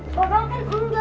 bagaimana gu enggak